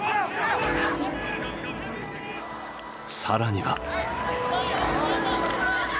更には。